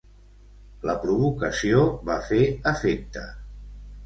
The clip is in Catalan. La provocació va fer efecte.